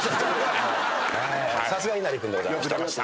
さすがえなり君でございました。